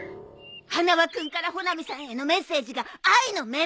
花輪君から穂波さんへのメッセージが「愛の芽生え」！？